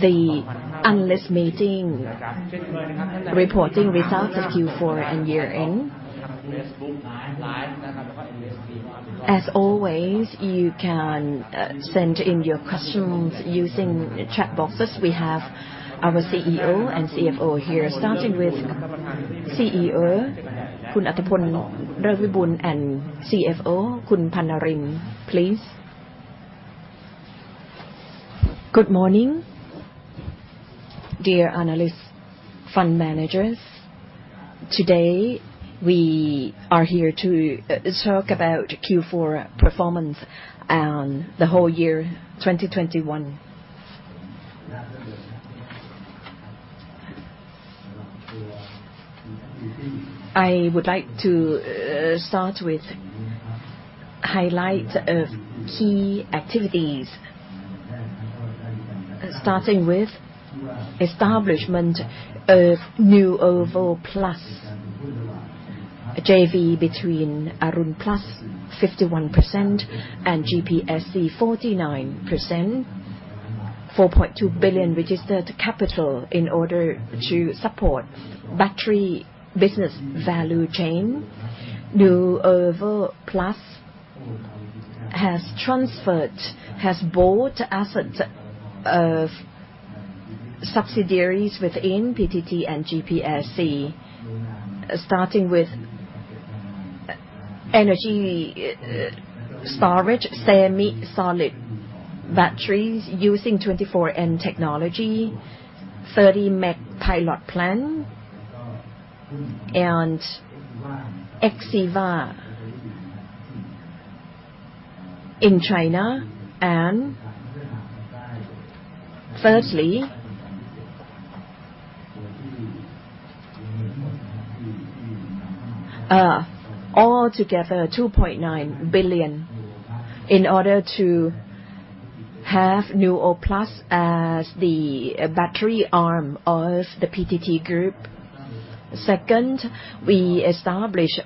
The analyst meeting reporting results of Q4 and year-end. As always, you can send in your questions using chat boxes. We have our CEO and CFO here. Starting with CEO, Khun Auttapol Rerkpiboon, and CFO, Khun Pannalin, please. Good morning, dear analyst fund managers. Today, we are here to talk about Q4 performance and the whole year 2021. I would like to start with highlights of key activities. Starting with establishment of Nuovo Plus, a JV between Arun Plus 51% and GPSC 49%, 4.2 billion Baht registered capital in order to support battery business value chain. Nuovo Plus has bought assets of subsidiaries within PTT and GPSC. Starting with energy storage, semi-solid batteries using 24M technology, 30 MW pilot plant, and [in Xi'an], China. Thirdly, altogether 2.9 billion Baht in order to have Nuovo Plus as the battery arm of the PTT Group. Second, we established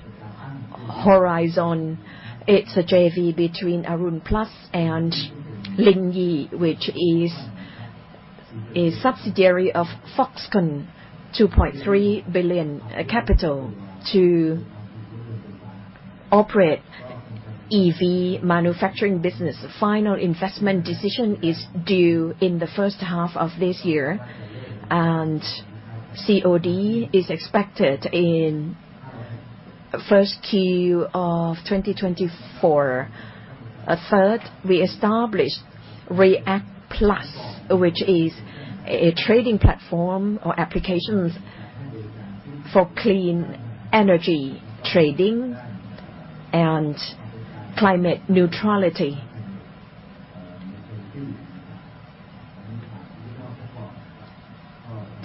Horizon Plus. It's a JV between Arun Plus and Lin Yin, which is a subsidiary of Foxconn, 2.3 billion Baht capital to operate EV manufacturing business. Final investment decision is due in the first half of this year, and COD is expected in first Q of 2024. Third, we established ReAcc Plus, which is a trading platform or applications for clean energy trading and climate neutrality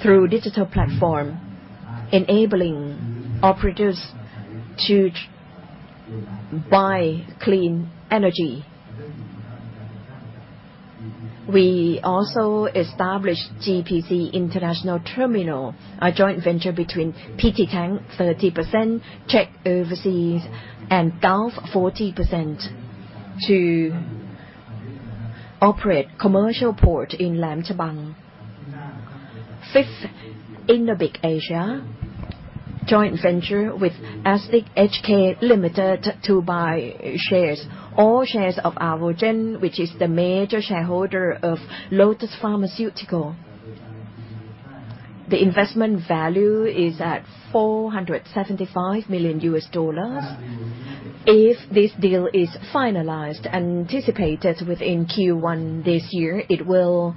through digital platform enabling operators to buy clean energy. We also established GPC International Terminal, a joint venture between PTT Tank 30%, CHEC Oversea, and Gulf 40% to operate commercial port in Laem Chabang. Fifth, Innobic (Asia), joint venture with Aztiq HK Limited to buy shares, all shares of Alvogen, which is the major shareholder of Lotus Pharmaceutical. The investment value is at $475 million. If this deal is finalized, anticipated within Q1 this year, it will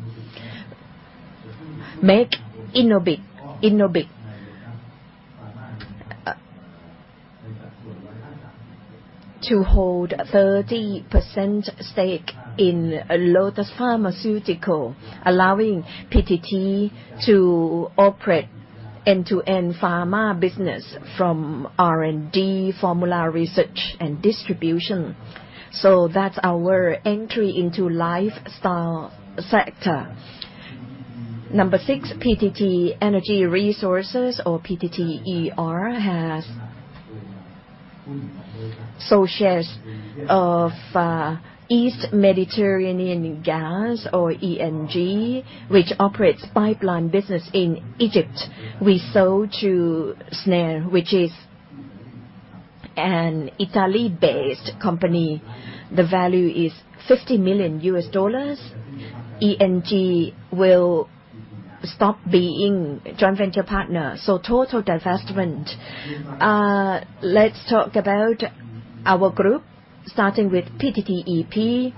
make Innobic (Asia) to hold 30% stake in Lotus Pharmaceutical, allowing PTT to operate end-to-end pharma business from R&D, formula research, and distribution. That's our entry into life sciences sector. Number six, PTT Energy Resources or PTTER has sold shares of East Mediterranean Gas or EMG, which operates pipeline business in Egypt. We sold to Snam, which is an Italian-based company. The value is $50 million. EMG will stop being joint venture partner, so total divestment. Let's talk about our group, starting with PTTEP.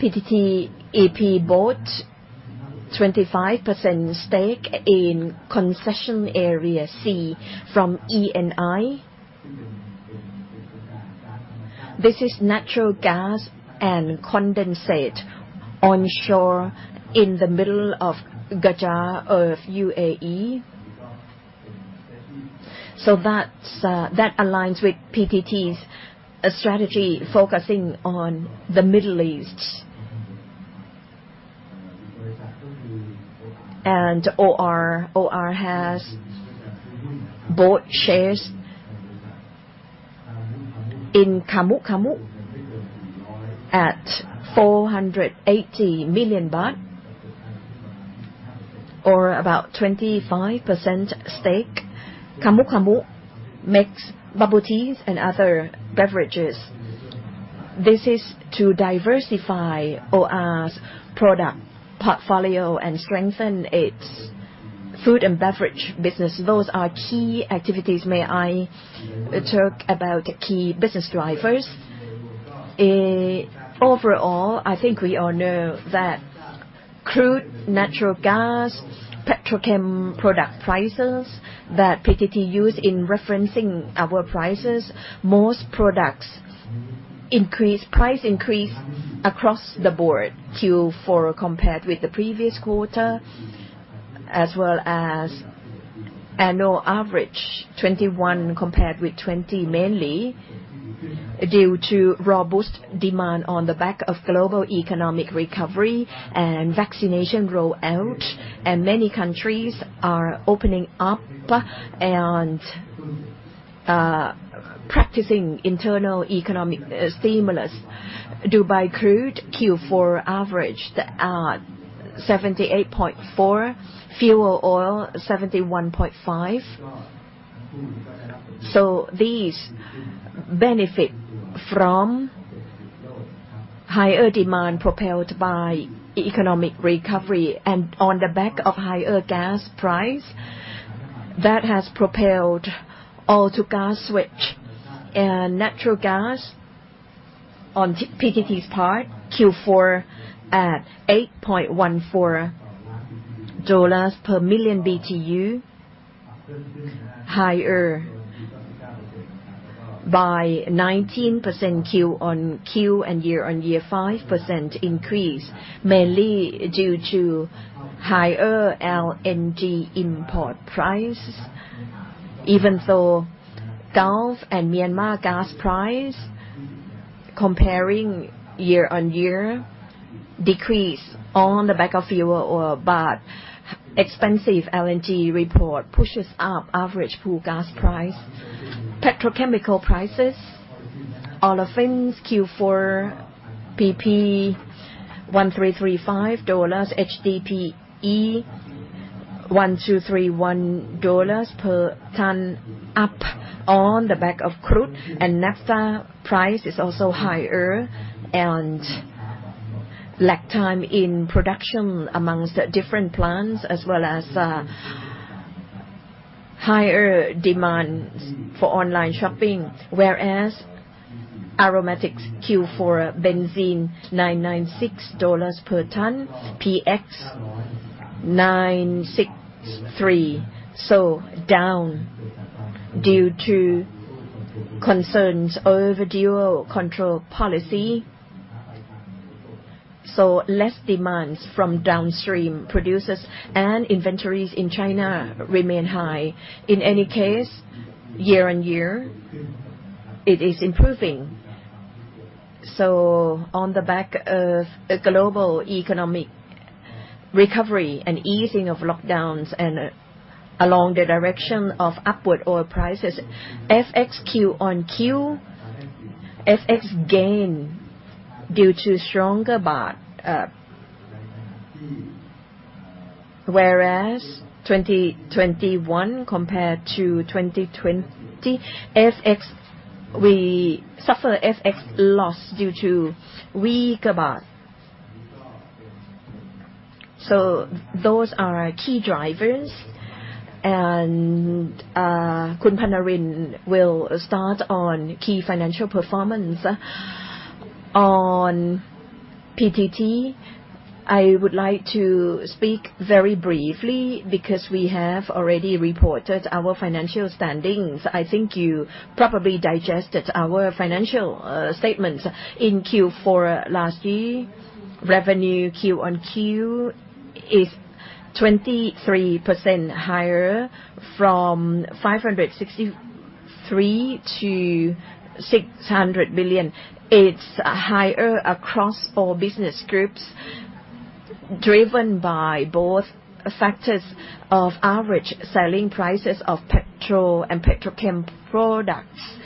PTTEP bought 25% stake in Concession Area C from Eni. This is natural gas and condensate onshore in the middle of Ghasha of UAE. That aligns with PTT's strategy focusing on the Middle East. OR has bought shares in Kamu Tea at 480 million Baht, or about 25% stake. Kamu Kamu makes bubble teas and other beverages. This is to diversify OR's product portfolio and strengthen its food and beverage business. Those are key activities. May I talk about the key business drivers? Overall, I think we all know that crude, natural gas, petrochem product prices that PTT use in referencing our prices, most products increase, price increase across the board, Q4 compared with the previous quarter, as well as annual average 2021 compared with 2020, mainly due to robust demand on the back of global economic recovery and vaccination rollout, and many countries are opening up and practicing internal economic stimulus. Dubai crude Q4 average at $78.4. Fuel oil $71.5. These benefit from higher demand propelled by economic recovery and on the back of higher gas price. That has propelled all to gas switch. Natural gas on PTT's part, Q4 at $8.14 per million BTU, higher by 19% QoQ and year-on-year 5% increase, mainly due to higher LNG import price. Even so, Gulf and Myanmar gas price comparing year-on-year decrease on the back of fuel oil, but expensive LNG import pushes up average fuel gas price. Petrochemical prices, olefins Q4 PP $1,335, HDPE $1,231 per ton, up on the back of crude. Naphtha price is also higher and lag time in production among the different plants as well as higher demand for online shopping. Whereas aromatics Q4 benzene $996 per ton, PX $963, so down due to concerns over dual control policy. Less demand from downstream producers and inventories in China remain high. In any case, year-on-year it is improving. On the back of a global economic recovery and easing of lockdowns and along the direction of upward oil prices, FX QoQ, FX gain due to stronger baht. Whereas 2021 compared to 2020, FX, we suffer FX loss due to weaker baht. Those are our key drivers. Khun Pannalin will start on key financial performance. On PTT, I would like to speak very briefly because we have already reported our financial standings. I think you probably digested our financial statements in Q4 last year. Revenue Q-on-Q is 23% higher from 563 billion-600 billion Baht. It's higher across all business groups, driven by both factors of average selling prices of petrol and petrochem products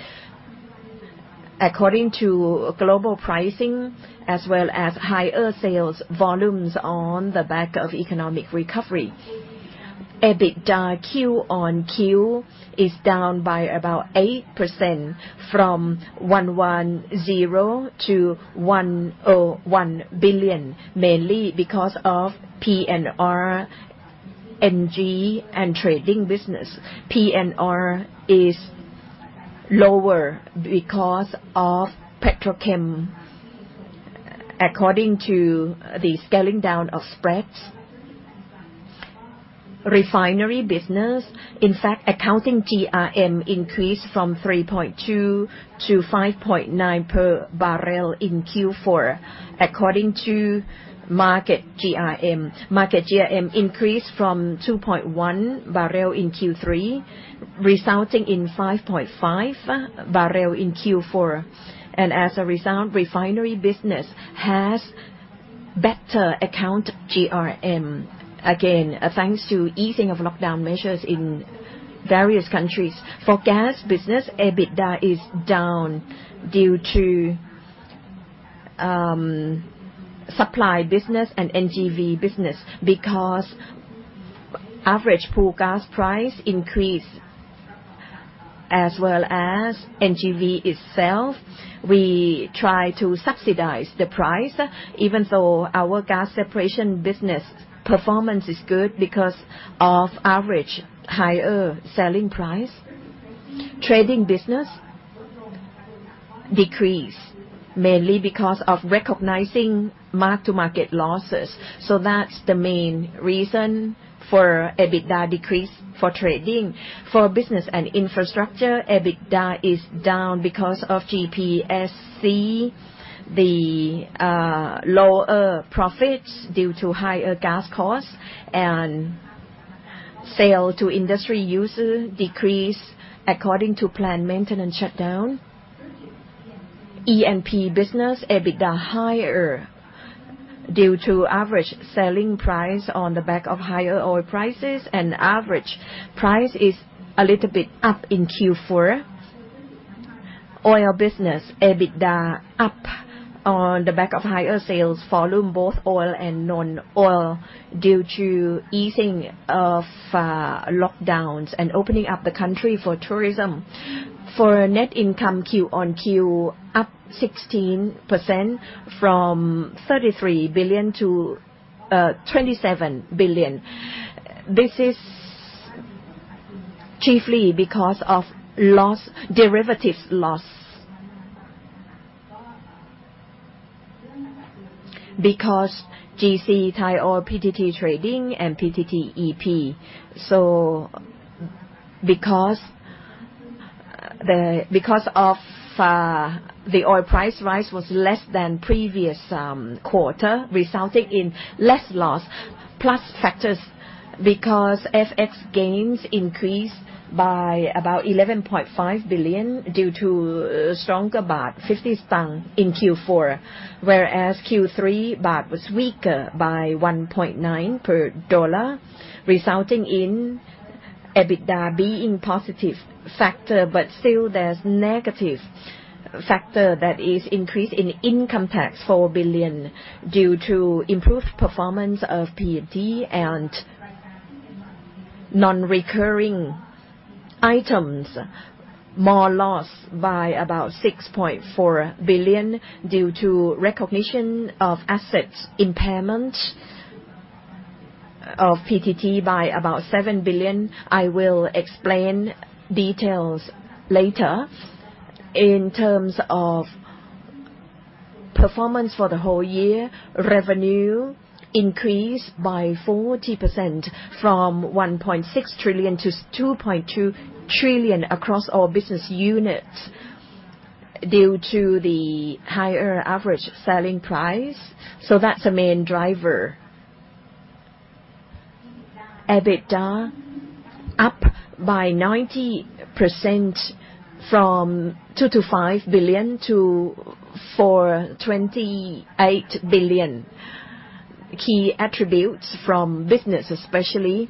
according to global pricing as well as higher sales volumes on the back of economic recovery. EBITDA QoQ is down by about 8% from 110 billion-101 billion Baht, mainly because of P&R, NG and trading business. P&R is lower because of petrochem according to the scaling down of spreads. Refinery business, in fact, accounting GRM increased from 3.2 to 5.9 per barrel in Q4 according to market GRM. Market GRM increased from 2.1 barrel in Q3, resulting in 5.5 barrel in Q4. As a result, refinery business has better account GRM. Again, thanks to easing of lockdown measures in various countries. For gas business, EBITDA is down due to supply business and NGV business because average pool gas price increase. As well as NGV itself, we try to subsidize the price even though our gas separation business performance is good because of average higher selling price. Trading business decrease mainly because of recognizing mark-to-market losses. That's the main reason for EBITDA decrease for trading. For business and infrastructure, EBITDA is down because of GPSC, lower profits due to higher gas costs and sales to industrial users decrease according to planned maintenance shutdown. E&P business, EBITDA higher due to average selling price on the back of higher oil prices and average price is a little bit up in Q4. Oil business, EBITDA up on the back of higher sales volume, both oil and non-oil, due to easing of lockdowns and opening up the country for tourism. For net income QoQ, up 16% from 33 billion-27 billion Baht. This is chiefly because of derivatives loss. Because GC, Thai Oil, PTT Trading and PTTEP. Because of the oil price rise was less than previous quarter, resulting in less loss plus factors because FX gains increased by about 11.5 billion Baht due to stronger baht strengthened in Q4. Whereas Q3, baht was weaker by 1.9 per dollar, resulting in EBITDA being positive factor. There is negative factor that is increase in income tax 4 billion Baht due to improved performance of PTT and non-recurring items. More loss by about 6.4 billion Baht due to recognition of assets impairment of PTT by about 7 billion Baht. I will explain details later. In terms of performance for the whole year, revenue increased by 40% from 1.6 trillion-2.2 trillion Baht across all business units due to the higher average selling price. That's a main driver. EBITDA up by 90% from 2.5 billion-4.28 billion Baht. Key attributes from business, especially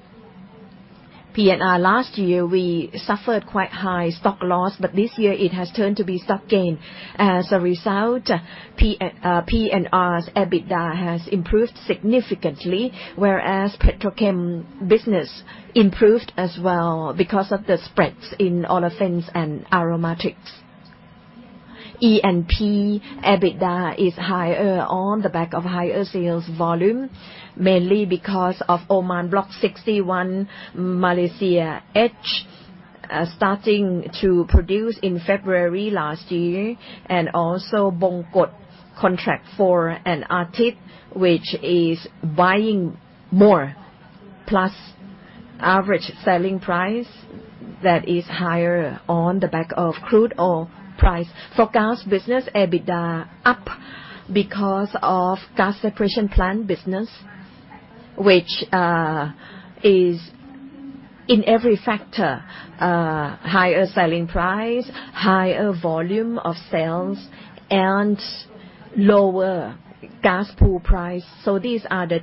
P&R. Last year, we suffered quite high stock loss, but this year it has turned to be stock gain. As a result, P&R's EBITDA has improved significantly, whereas petrochem business improved as well because of the spreads in olefins and aromatics. E&P EBITDA is higher on the back of higher sales volume, mainly because of Oman Block 61, Malaysia H starting to produce in February last year. Bongkot Contract 4 and Arthit, which is buying more plus average selling price that is higher on the back of crude oil price. For gas business, EBITDA up because of gas separation plant business, which is in every factor, higher selling price, higher volume of sales and lower gas pool price. These are the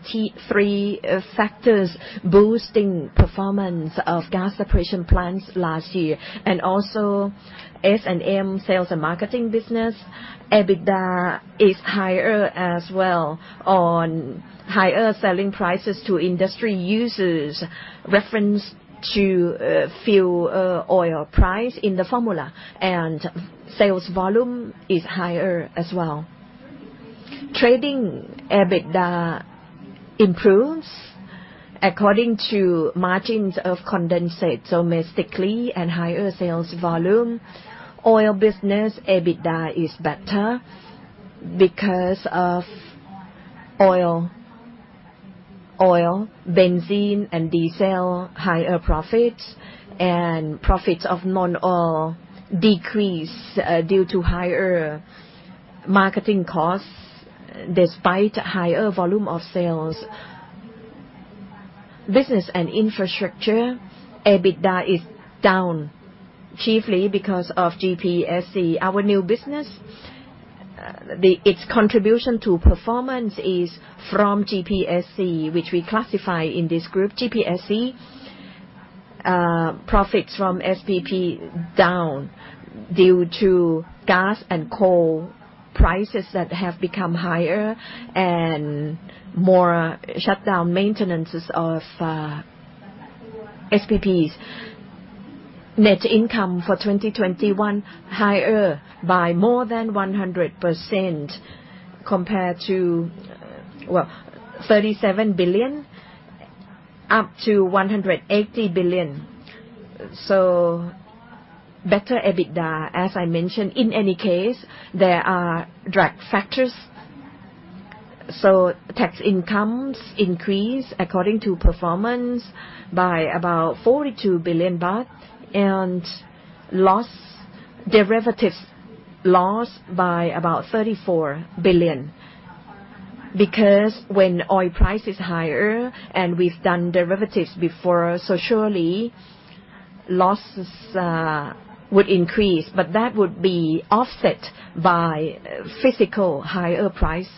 three factors boosting performance of gas separation plants last year. Also S&M, sales and marketing business, EBITDA is higher as well on higher selling prices to industry users, reference to fuel oil price in the formula and sales volume is higher as well. Trading EBITDA improves according to margins of condensate domestically and higher sales volume. Oil business EBITDA is better because of oil, benzene and diesel higher profits and profits of non-oil decrease due to higher marketing costs despite higher volume of sales. Business and infrastructure EBITDA is down chiefly because of GPSC. Our new business, its contribution to performance is from GPSC, which we classify in this group. GPSC profits from SPP down due to gas and coal prices that have become higher and more shutdown maintenances of SPPs. Net income for 2021 higher by more than 100% compared to 37 billion Baht up to 180 billion Baht. Better EBITDA, as I mentioned. In any case, there are drag factors. Tax incomes increase according to performance by about 42 billion Baht. Derivatives loss by about 34 billion Baht, because when oil price is higher and we've done derivatives before, so surely losses would increase. That would be offset by physical higher price.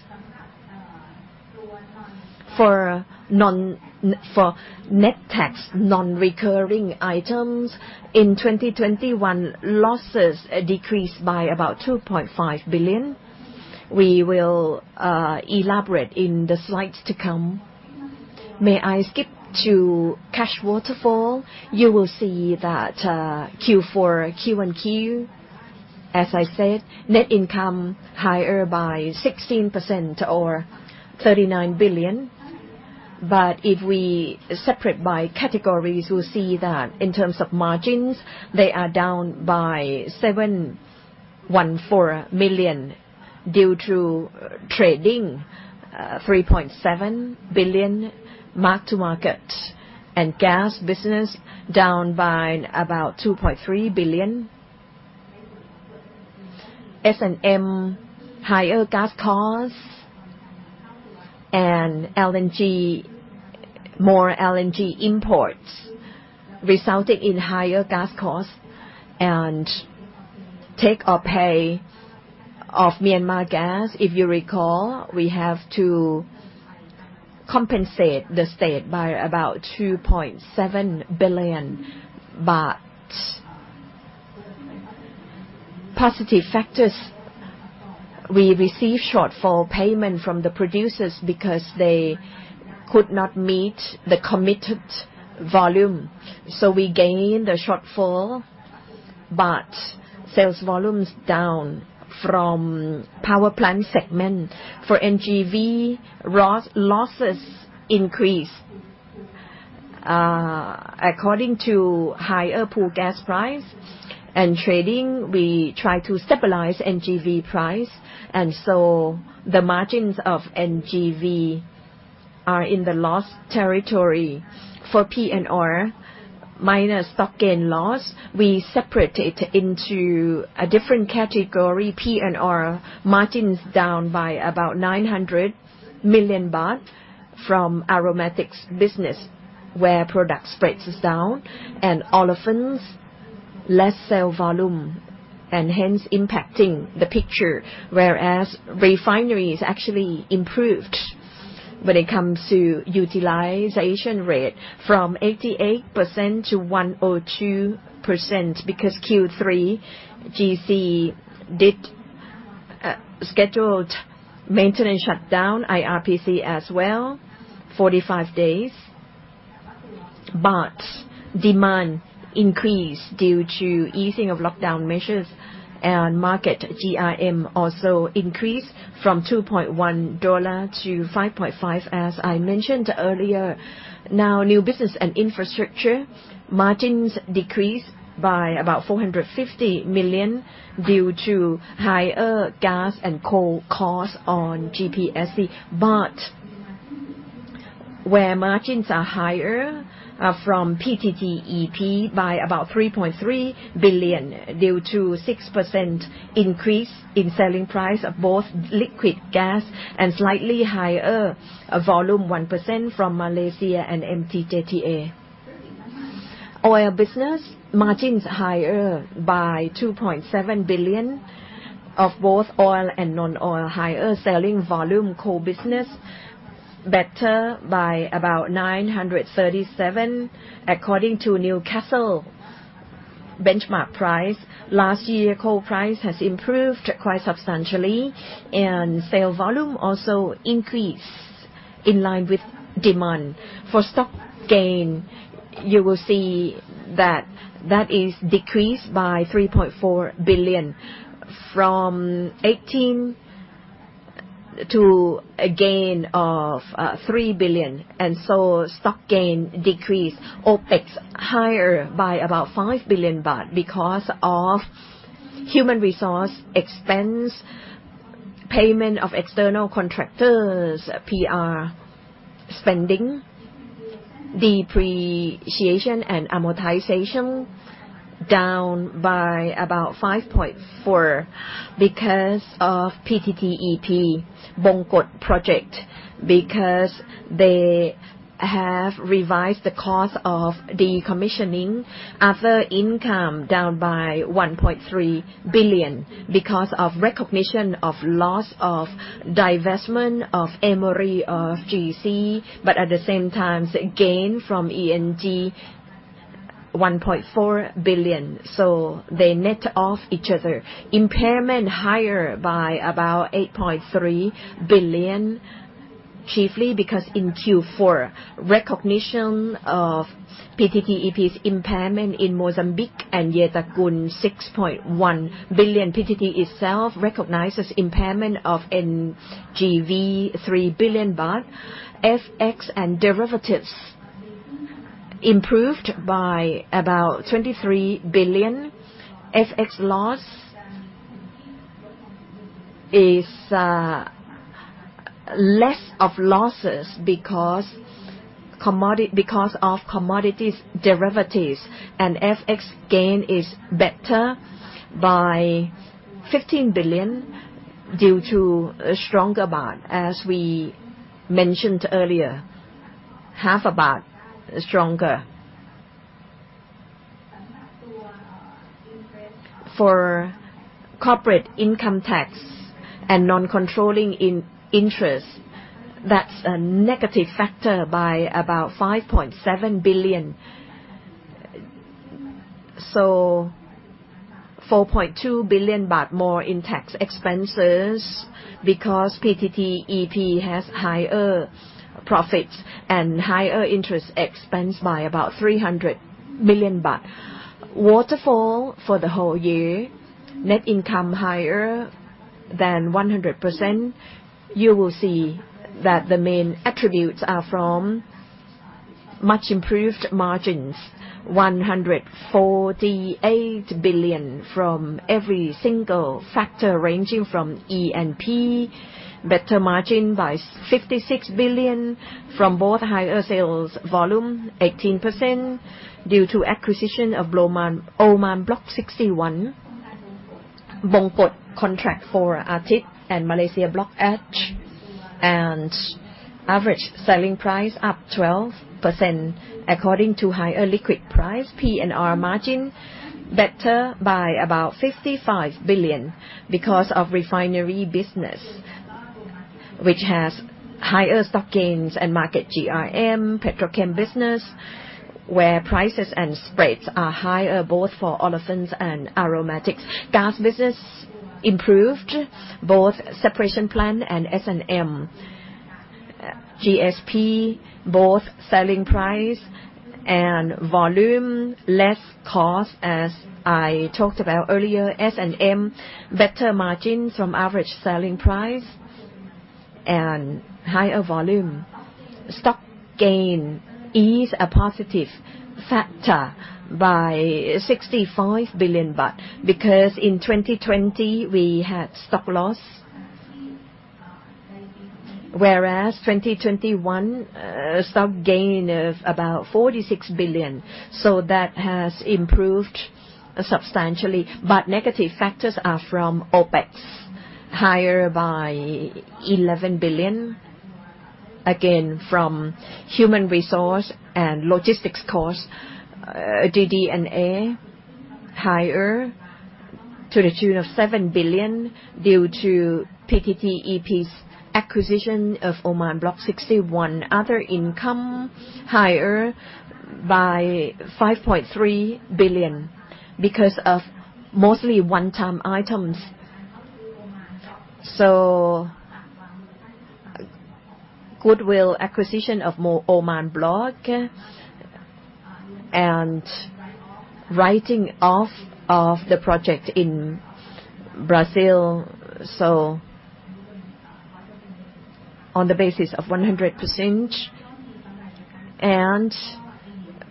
For net tax non-recurring items in 2021, losses decreased by about 2.5 billion Baht. We will elaborate in the slides to come. May I skip to cash waterfall? You will see that Q4 and Q1, as I said, net income higher by 16% or 39 billion Baht. If we separate by categories, we'll see that in terms of margins, they are down by 714 million Baht due to trading, 3.7 billion Baht mark-to-market. Gas business down by about 2.3 billion Baht. S&M higher gas costs and LNG, more LNG imports resulting in higher gas costs and take or pay of Myanmar gas. If you recall, we have to compensate the state by about 2.7 billion Baht. Positive factors, we received shortfall payment from the producers because they could not meet the committed volume. We gained the shortfall, but sales volume is down from power plant segment. For NGV, losses increased according to higher pool gas price and trading. We try to stabilize NGV price, and the margins of NGV are in the loss territory. For P&R minus stock gain loss, we separate it into a different category. P&R margins down by about 900 million Baht from aromatics business, where product spreads is down and olefins less sale volume and hence impacting the picture. Whereas refineries actually improved when it comes to utilization rate from 88% to 102% because Q3 GC did a scheduled maintenance shutdown, IRPC as well, 45 days. Demand increased due to easing of lockdown measures and market GRM also increased from $2.1-$5.5, as I mentioned earlier. Now new business and infrastructure margins decreased by about 450 million Baht due to higher gas and coal costs on GPSC. Where margins are higher are from PTTEP by about 3.3 billion Baht due to 6% increase in selling price of both liquids and gas and slightly higher volume 1% from Malaysia and MTJDA. Oil business margins higher by 2.7 billion Baht of both oil and non-oil higher selling volume. Coal business better by about 937 Baht according to Newcastle benchmark price. Last year, coal price has improved quite substantially, and sale volume also increased in line with demand. For stock gain, you will see that is decreased by 3.4 billion Baht from 18 billion Baht to a gain of 3 billion Baht, and so stock gain decreased. OpEx higher by about 5 billion Baht because of human resource expense, payment of external contractors, PR spending, depreciation and amortization. Down by about 5.4 Baht because of PTTEP Bongkot project. They have revised the cost of decommissioning. Other income down by 1.3 billion Baht because of recognition of loss of divestment of Emery of GC. At the same time, gain from EMG, 1.4 billion Baht. They net off each other. Impairment higher by about 8.3 billion Baht, chiefly because in Q4, recognition of PTTEP's impairment in Mozambique and Yetagun, 6.1 billion Baht. PTT itself recognizes impairment of NGV, 3 billion Baht. FX and derivatives improved by about 23 billion Baht. FX loss is less of losses because of commodities derivatives. FX gain is better by 15 billion Baht due to a stronger baht, as we mentioned earlier. Half a baht stronger. For corporate income tax and non-controlling interest, that's a negative factor by about 5.7 billion Baht. 4.2 billion Baht more in tax expenses because PTTEP has higher profits and higher interest expense by about 300 million Baht. Waterfall for the whole year, net income higher than 100%. You will see that the main attributes are from much improved margins, 148 billion Baht from every single factor ranging from E&P. Better margin by 56 billion Baht from both higher sales volume, 18%, due to acquiCition of Oman Block 61. Bongkot Contract 4 Arthit and Malaysia Block H. Average selling price up 12% according to higher liquids price. P&R margin better by about 55 billion Baht because of refinery business, which has higher stock gains and market GRM. Petrochem business, where prices and spreads are higher, both for olefins and aromatics. Gas business improved, both separation plant and S&M. GSP, both selling price and volume. Less cost, as I talked about earlier. S&M, better margin from average selling price and higher volume. Stock gain is a positive factor by 65 billion Baht because in 2020 we had stock loss. Whereas, 2021, stock gain of about 46 billion Baht. That has improved substantially. Negative factors are from OpEx, higher by 11 billion Baht. Again, from human resource and logistics costs. DD&A higher to the tune of 7 billion Baht due to PTTEP's acquisition of Oman Block 61. Other income higher by 5.3 billion Baht because of mostly one-time items. Goodwill acquisition of Oman Block and writing off of the project in Brazil, so on the basis of 100%.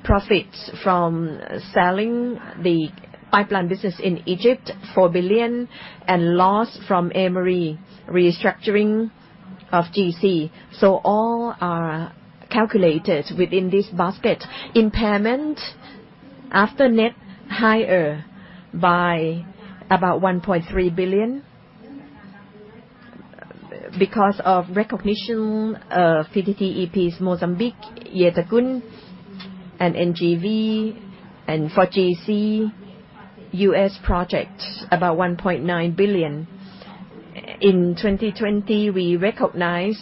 Profits from selling the pipeline business in Egypt, 4 billion Baht, and loss from Emery restructuring of GC. All are calculated within this basket. Impairments are net higher by about 1.3 billion Baht because of recognition of PTTEP's Mozambique, Yetagun, and NGV. For GC, U.S. projects about 1.9 billion Baht. In 2020, we recognized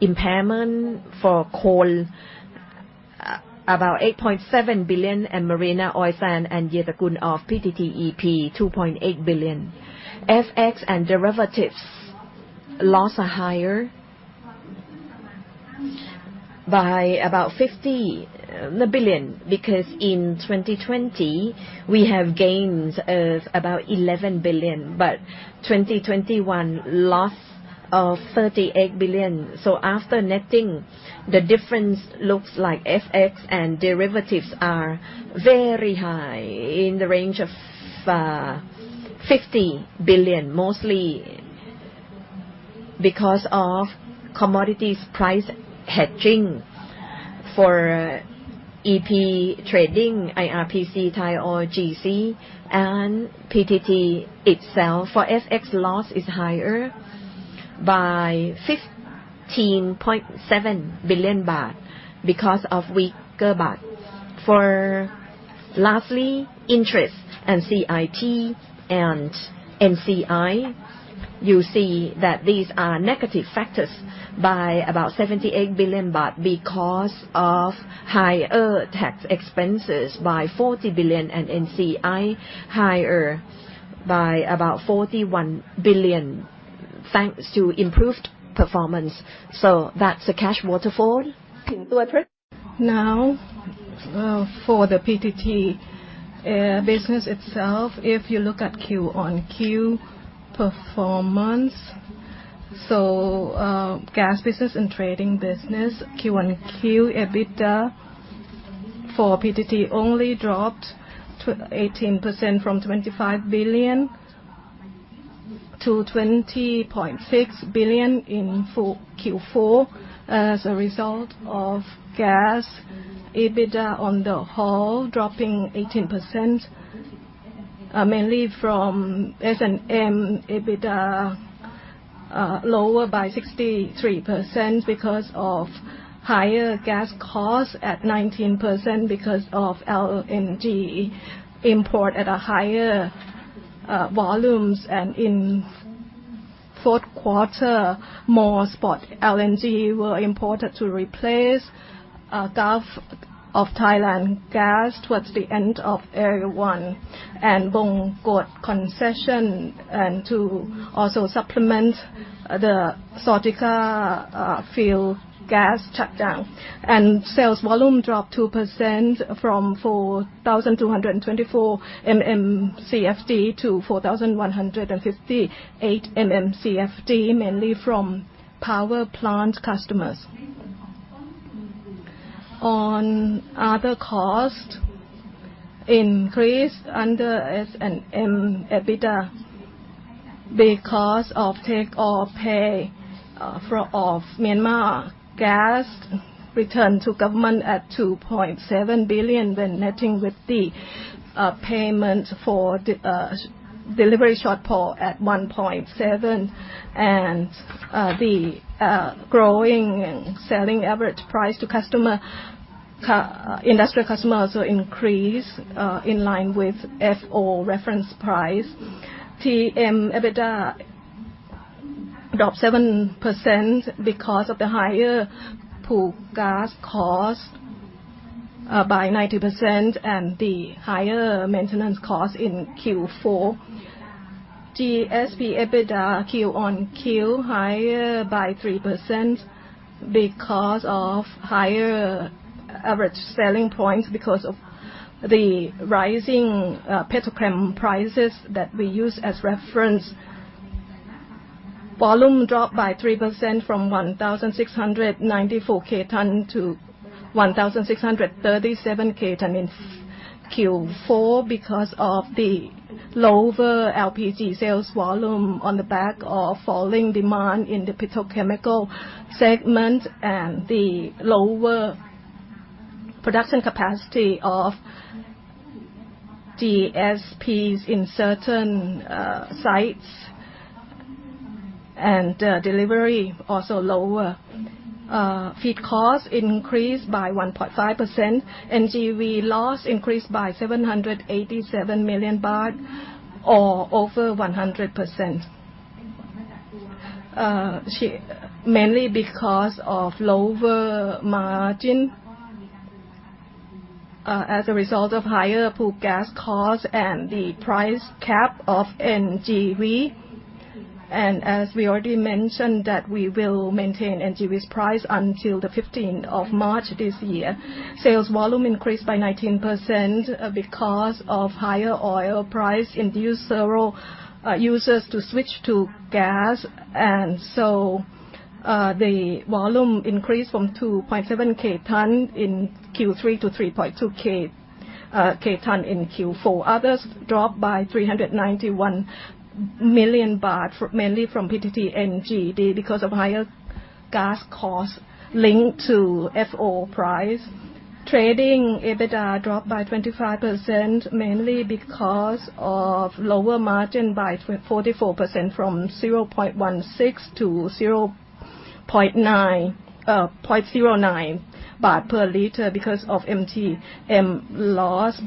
impairment for coal, about 8.7 billion Baht, and Mariana Oil Sands and Yetagun of PTTEP, 2.8 billion Baht. FX and derivatives loss are higher by about 50 billion Baht. Because in 2020, we have gains of about 11 billion Baht, but 2021, loss of 38 billion Baht. After netting, the difference looks like FX and derivatives are very high in the range of 50 billion Baht mostly. Because of commodities price hedging for EP trading, IRPC, Thai Oil, GC, and PTT itself. For FX loss is higher by 15.7 billion Baht because of weaker baht. For lastly, interest and CIT and NCI, you see that these are negative factors by about 78 billion Baht because of higher tax expenses by 40 billion Baht and NCI higher by about 41 billion Baht, thanks to improved performance. That's the cash waterfall. Now, for the PTT business itself, if you look at Q-on-Q performance. Gas business and trading business, Q-on-Q EBITDA for PTT only dropped 18% from 25 billion Baht to 20.6 billion Baht in Q4 as a result of gas EBITDA on the whole dropping 18%, mainly from S&M EBITDA lower by 63% because of higher gas costs at 19% because of LNG import at higher volumes. In fourth quarter, more spot LNG were imported to replace Gulf of Thailand gas towards the end of Erawan and Bongkot Concession, and to also supplement the Zawtika field gas shutdown. Sales volume dropped 2% from 4,224 MMcfd-4,158 MMcfd, mainly from power plant customers. Other costs increased under S&M EBITDA because of take or pay of Myanmar gas return to government at 2.7 billion Baht, when netting with the payment for delivery shortfall at 1.7 billion Baht. The average selling price to industrial customers will increase in line with FO reference price. TM EBITDA dropped 7% because of the higher fuel gas costs by 90% and the higher maintenance costs in Q4. GSP EBITDA Q-on-Q higher by 3% because of higher average selling prices because of the rising petrochemical prices that we use as reference. Volume dropped by 3% from 1,694 K ton-1,637 K ton in Q4 because of the lower LPG sales volume on the back of falling demand in the petrochemical segment and the lower production capacity of GSPs in certain sites and delivery also lower. Feed costs increased by 1.5%. NGV loss increased by 787 million Baht or over 100%. Mainly because of lower margin as a result of higher fuel gas costs and the price cap of NGV. As we already mentioned, that we will maintain NGV's price until the 15th of March this year. Sales volume increased by 19% because of higher oil price induced several users to switch to gas. The volume increased from 2.7 K ton in Q3 to 3.2 K ton in Q4. Others dropped by 391 million Baht, mainly from PTT NGD because of higher gas costs linked to FO price. Trading EBITDA dropped by 25% mainly because of lower margin by 44% from 0.16 Baht to 0.09 Baht per liter because of MTM loss.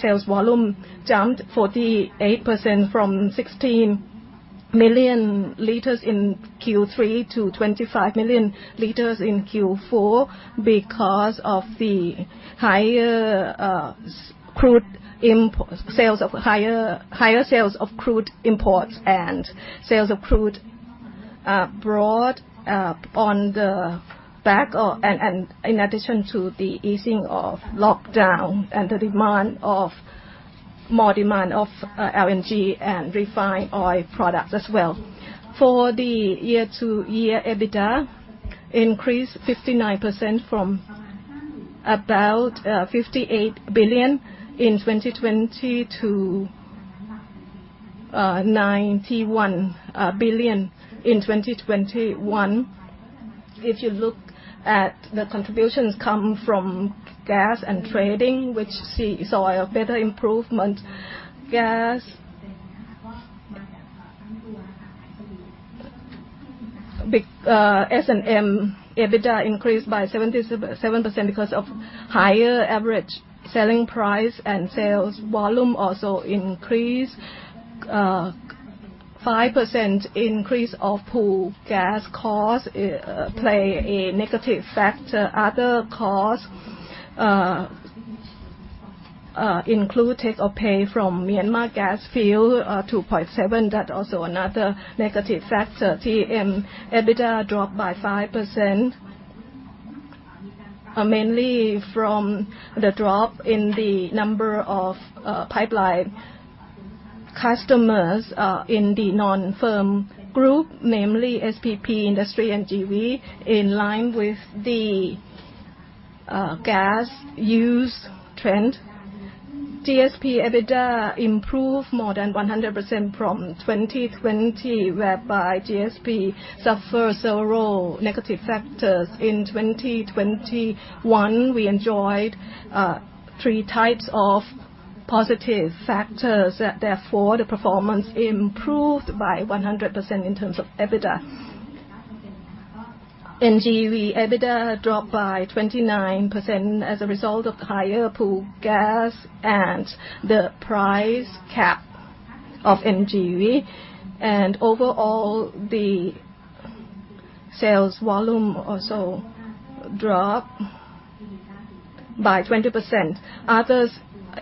Sales volume jumped 48% from 16 million liters in Q3 to 25 million liters in Q4 because of the higher sales of crude imports and sales of crude brought on the back of the easing of lockdown and more demand for LNG and refined oil products as well. Year-over-year, EBITDA increased 59% from about 58 billion Baht in 2020 to 91 billion Baht in 2021. If you look at the contributions coming from gas and trading, which saw a better improvement. Gas big S&M EBITDA increased by 77% because of higher average selling price, and sales volume also increased. 5% increase of pool gas cost plays a negative factor. Other costs include take or pay from Myanmar gas field, 2.7. That also another negative factor. TM EBITDA dropped by 5%, mainly from the drop in the number of pipeline customers in the non-firm group, namely SPP industry and NGV, in line with the gas use trend. GSP EBITDA improved more than 100% from 2020, whereby GSP suffered several negative factors. In 2021, we enjoyed three types of positive factors. Therefore, the performance improved by 100% in terms of EBITDA. NGV EBITDA dropped by 29% as a result of higher pool gas and the price cap of NGV. Overall, the sales volume also dropped by 20%. Others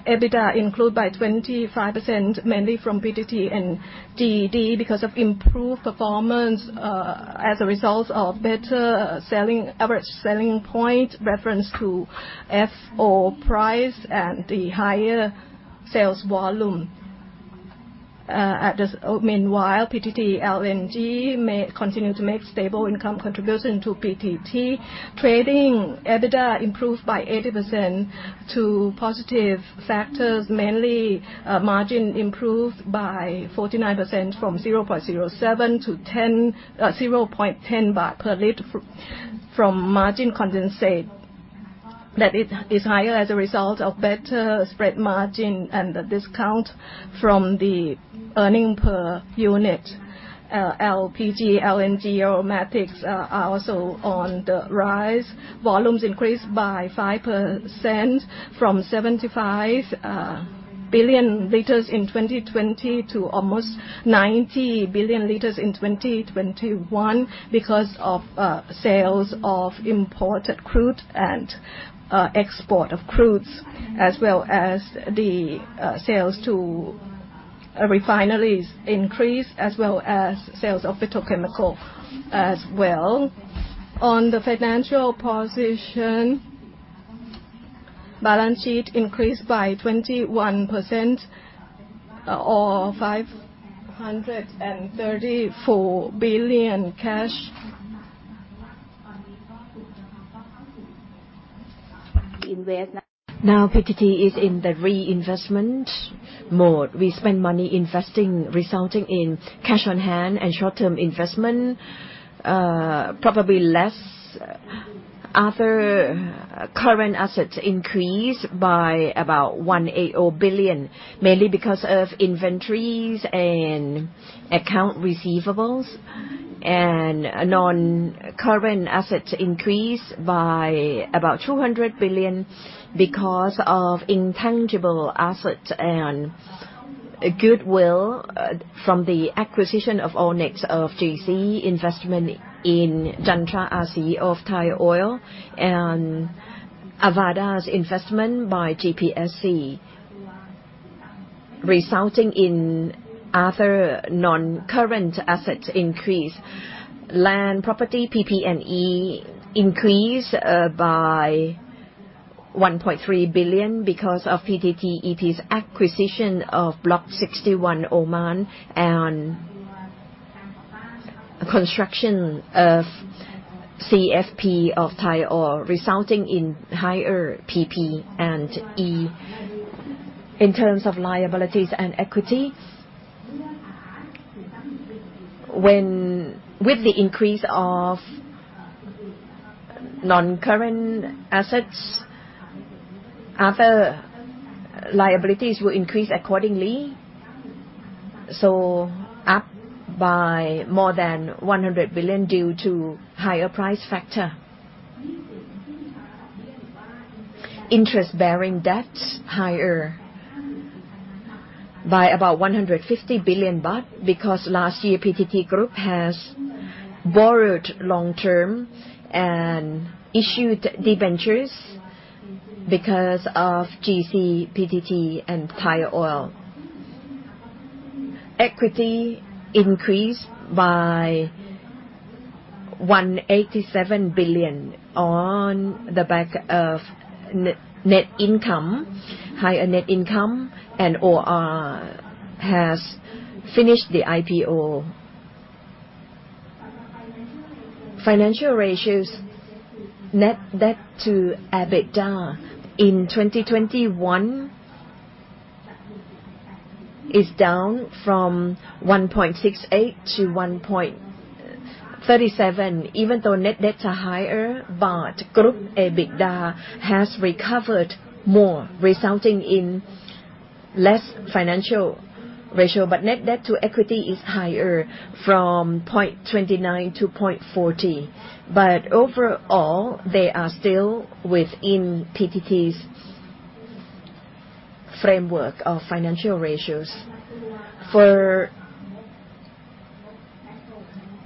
EBITDA improved by 25%, mainly from PTT and GD, because of improved performance as a result of better average selling point reference to FO price and the higher sales volume. At this meanwhile, PTT LNG may continue to make stable income contribution to PTT. Trading EBITDA improved by 80% due to positive factors, mainly margin improved by 49% from 0.07-0.10 Baht per liter from margin condensate. That is higher as a result of better spread margin and the discount from the earning per unit. LPG, LNG, aromatics are also on the rise. Volumes increased by 5% from 75 billion liters in 2020 to almost 90 billion liters in 2021 because of sales of imported crude and export of crudes, as well as the sales to refineries increased as well as sales of petrochemical as well. On the financial position, balance sheet increased by 21% or 534 billion Baht cash. Invest now. Now PTT is in the reinvestment mode. We spend money investing, resulting in cash on hand and short-term investment, probably less. Other current assets increased by about 180 billion Baht, mainly because of inventories and accounts receivable. Non-current assets increased by about 200 billion Baht because of intangible assets and goodwill from the acquisition of Allnex, of GC investment in Chandra Asri of Thai Oil and Avaada's investment by GPSC, resulting in other non-current assets increase. Land, property, PP&E increased by 1.3 billion Baht because of PTTEP's acquisition of Block 61 Oman and construction of CFP of Thai Oil, resulting in higher PP&E. In terms of liabilities and equity, with the increase of non-current assets, other liabilities will increase accordingly, so up by more than 100 billion Baht due to higher price factor. Interest-bearing debt higher by about 150 billion Baht because last year PTT Group has borrowed long-term and issued debentures because of GC, PTT and Thai Oil. Equity increased by 187 billion Baht on the back of higher net income, and OR has finished the IPO. Financial ratios. Net debt to EBITDA in 2021 is down from 1.68 to 1.37. Even though net debt are higher, group EBITDA has recovered more, resulting in less financial ratio. Net debt to equity is higher from 0.29 to 0.40. Overall, they are still within PTT's framework of financial ratios. For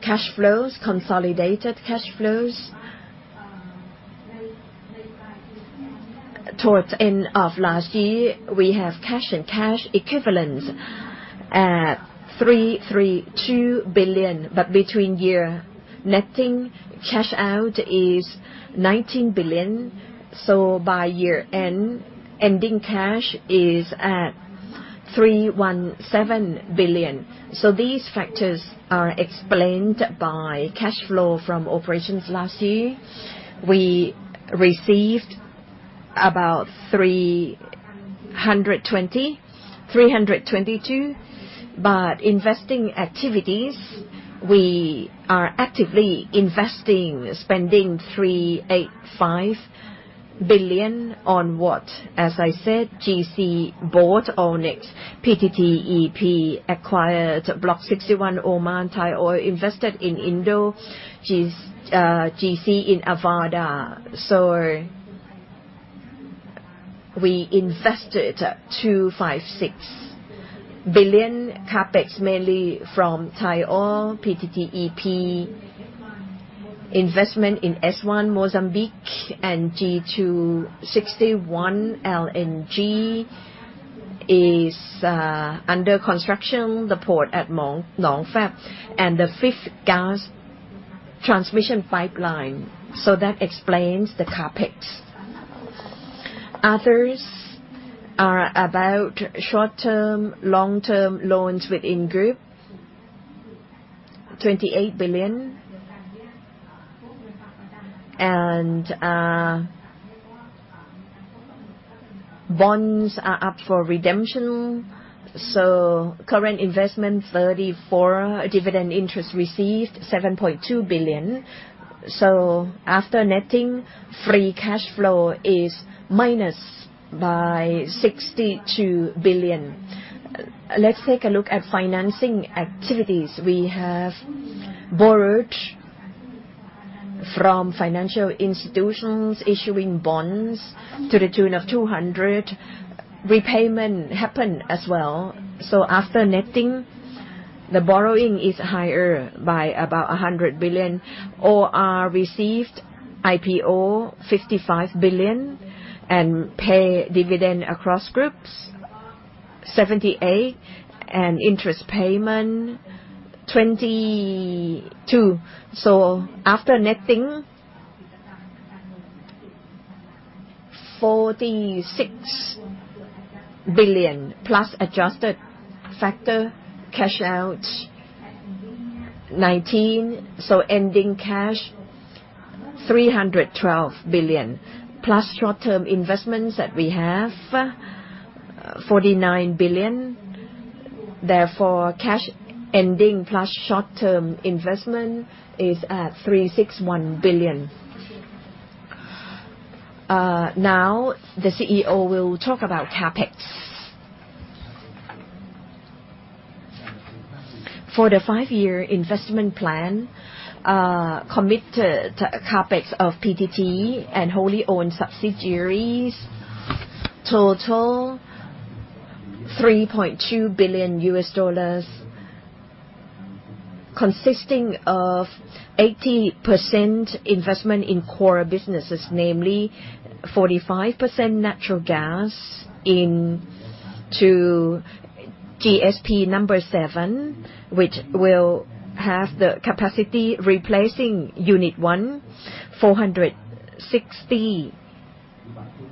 cash flows, consolidated cash flows toward end of last year, we have cash and cash equivalents at 332 billion Baht. Between year, netting cash out is 19 billion Baht. By year-end, ending cash is at 317 billion Baht. These factors are explained by cash flow from operations last year. We received about 322 billion Baht. Investing activities, we are actively investing, spending 385 billion Baht on what? As I said, GC bought Allnex. PTTEP acquired Block 61, Oman. Thai Oil invested in Indo, GC in Avaada. We invested 256 billion Baht CapEx, mainly from Thai Oil, PTTEP investment in Area 1 Mozambique. G 261 LNG is under construction. The port at Nong Fab and the fifth gas transmission pipeline. That explains the CapEx. Others are about short-term, long-term loans within group, 28 billion Baht. Bonds are up for redemption. Current investment 34 billion Baht. Dividend interest received 7.2 billion Baht. After netting, free cash flow is minus by 62 billion Baht. Let's take a look at financing activities. We have borrowed from financial institutions, issuing bonds to the tune of 200 billion Baht. Repayment happened as well. After netting, the borrowing is higher by about 100 billion Baht. OR received IPO 55 billion Baht. Pay dividend across groups 78 billion Baht. Interest payment 22 billion Baht. After netting 46 billion Baht, plus adjusted factor cash out 19 billion Baht. Ending cash 312 billion Baht, plus short-term investments that we have 49 billion Baht. Therefore, cash ending plus short-term investment is at 361 billion Baht. Now the CEO will talk about CapEx. For the five-year investment plan, committed CapEx of PTT and wholly owned subsidiaries total $3.2 billion, consisting of 80% investment in core businesses, namely 45% natural gas into GSP Number 7, which will have the capacity replacing unit one, 460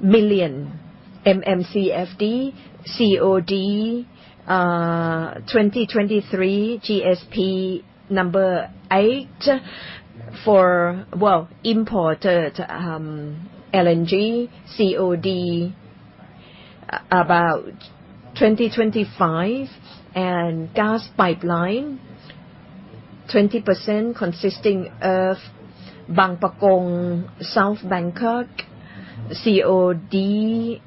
MMCFD COD 2023. GSP Number 8 for imported LNG. COD about 2025. Gas pipeline 20% consisting of Bang Pakong-South Bangkok. COD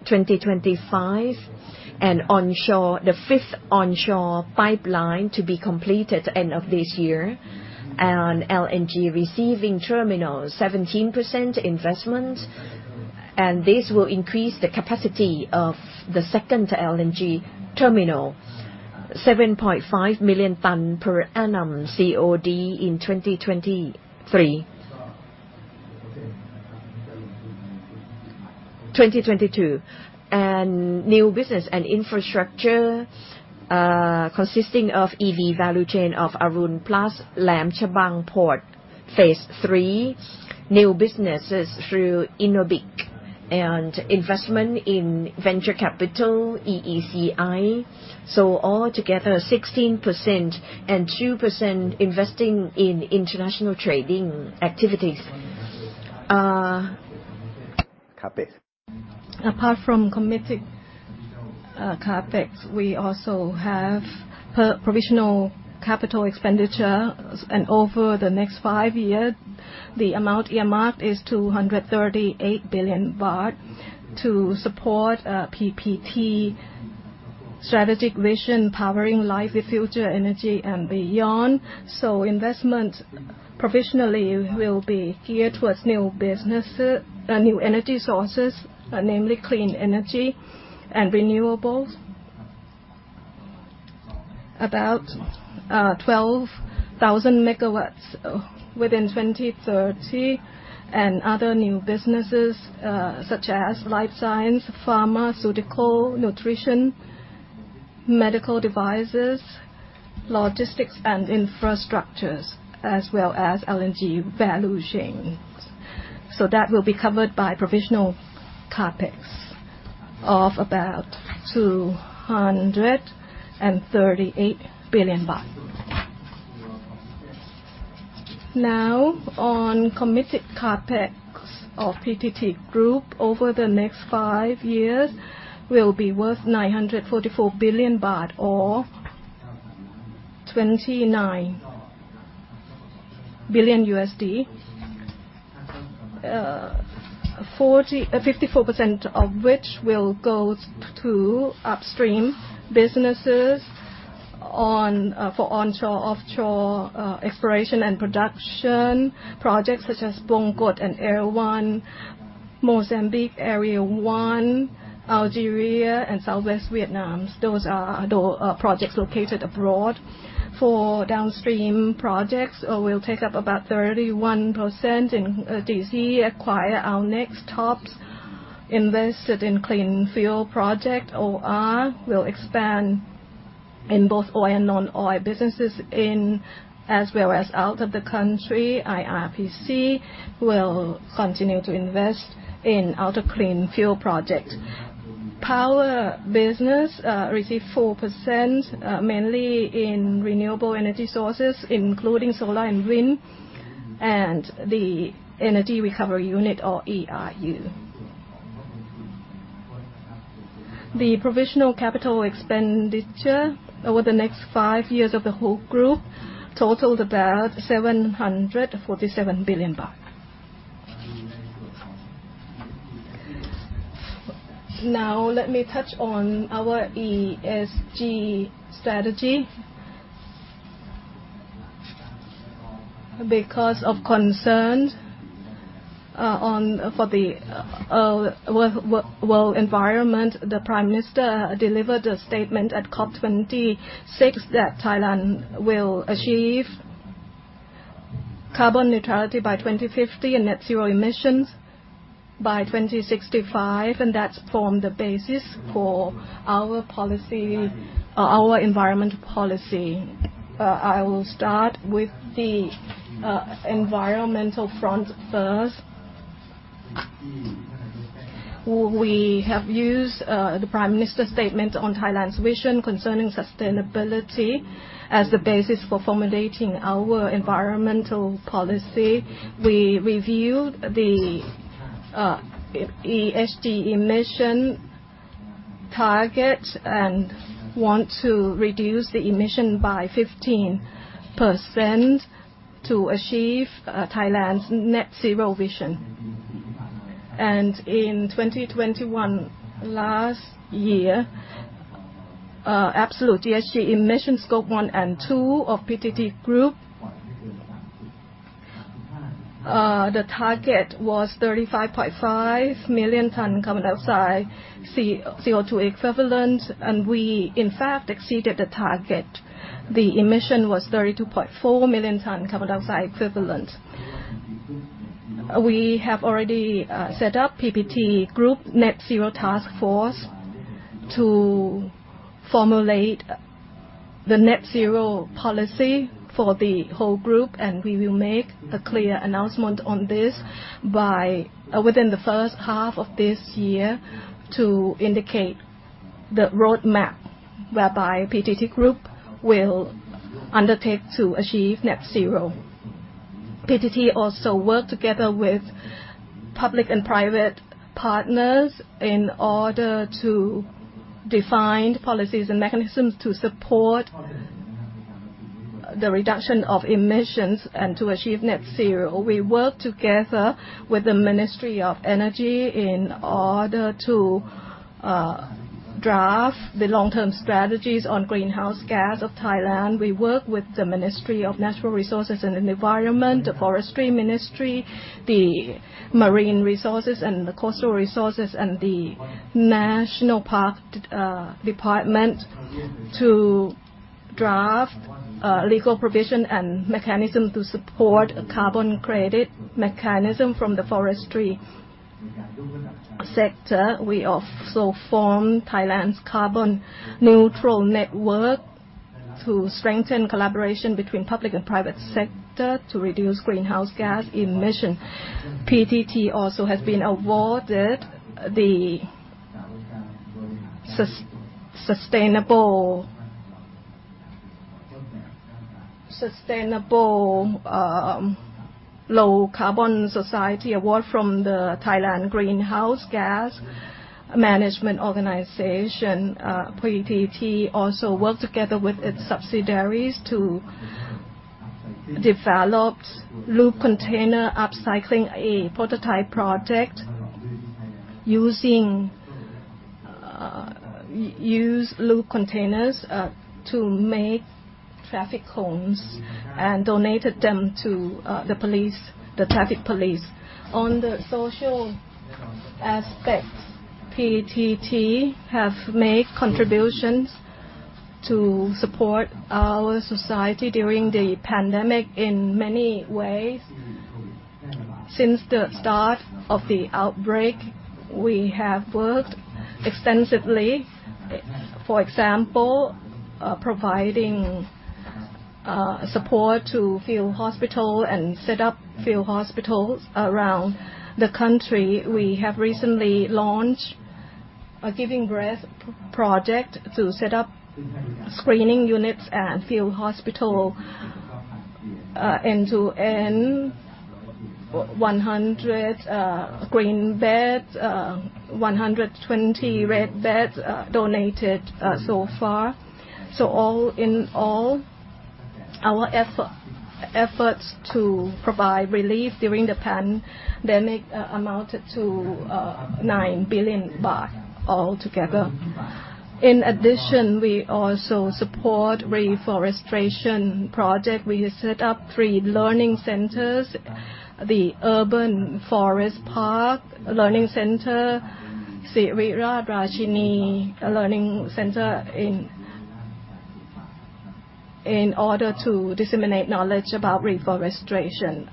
2025. Onshore, the fifth onshore pipeline to be completed end of this year. LNG receiving terminal 17% investment, and this will increase the capacity of the second LNG terminal 7.5 million tons per annum. COD in 2023. 2022. New business and infrastructure consisting of EV value chain of Arun Plus, Laem Chabang Port phase III. New businesses through Innobic. Investment in venture capital EECi. Altogether 16% and 2% investing in international trading activities. CapEx. Apart from committed CapEx, we also have provisional capital expenditure. Over the next five years, the amount earmarked is 238 billion Baht to support PTT strategic vision, powering life with future energy and beyond. Investment provisionally will be geared towards new business, new energy sources, namely clean energy and renewables. About 12,000 MW within 2030, and other new businesses, such as life science, pharmaceutical, nutrition, medical devices, logistics and infrastructures, as well as LNG value chains. That will be covered by provisional CapEx of about 238 billion Baht. Now, committed CapEx of PTT Group over the next five years will be worth 944 billion Baht or $29 billion. 54% of which will go to upstream businesses on for onshore/offshore exploration and production projects such as Bongkot and Area 1 Mozambique, Area 1 Algeria and Southwest Vietnam. Those are the projects located abroad. For downstream projects will take up about 31% in GC acquired Allnex, Thai Oil's invested in Clean Fuel Project, or we'll expand in both oil and non-oil businesses in as well as out of the country. IRPC will continue to invest in other Clean Fuel Project. Power business receive 4%, mainly in renewable energy sources, including solar and wind and the Energy Recovery Unit or ERU. The provisional capital expenditure over the next five years of the whole group totaled about 747 billion Baht. Now, let me touch on our ESG strategy. Because of concern for the world environment, the Prime Minister delivered a statement at COP26 that Thailand will achieve carbon neutrality by 2050 and net zero emissions by 2065, and that form the basis for our policy, our environment policy. I will start with the environmental front first. We have used the Prime Minister's statement on Thailand's vision concerning sustainability as the basis for formulating our environmental policy. We reviewed the ESG emission target and want to reduce the emission by 15% to achieve Thailand's Net Zero vision. In 2021 last year, absolute GHG emission Scope 1 and 2 of PTT Group, the target was 35.5 million ton carbon dioxide CO2 equivalent, and we in fact exceeded the target. The emission was 32.4 million ton carbon dioxide equivalent. We have already set up PTT Group Net Zero task force to formulate the net zero policy for the whole group, and we will make a clear announcement on this by within the first half of this year to indicate the roadmap whereby PTT Group will undertake to achieve net zero. PTT also work together with public and private partners in order to define policies and mechanisms to support the reduction of emissions and to achieve net zero. We work together with the Ministry of Energy in order to draft the long-term strategies on greenhouse gas of Thailand. We work with the Ministry of Natural Resources and Environment, the Forestry Ministry, the Marine Resources and the Coastal Resources, and the National Park Department to draft legal provision and mechanism to support a carbon credit mechanism from the forestry sector. We also form Thailand Carbon Neutral Network to strengthen collaboration between public and private sector to reduce greenhouse gas emission. PTT also has been awarded the sustainable low carbon society award from the Thailand Greenhouse Gas Management Organization. PTT also work together with its subsidiaries to develop loop container upcycling, a prototype project using used loop containers to make traffic cones and donated them to the police, the traffic police. On the social aspects, PTT have made contributions to support our society during the pandemic in many ways. Since the start of the outbreak, we have worked extensively. For example, providing support to field hospital and set up field hospitals around the country. We have recently launched a Giving Breath project to set up screening units at field hospital end-to-end 100 green beds, 120 red beds donated so far. All in all, our efforts to provide relief during the pandemic amounted to 9 billion baht altogether. In addition, we also support reforestation project. We set up three learning centers, the Urban Forest Park Learning Center, Sirinath Rajini Learning Centre in order to disseminate knowledge about reforestation.